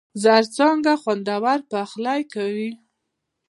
زرڅانگه! خوندور پخلی کوي.